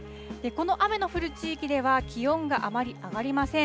この雨の降る地域では、気温があまり上がりません。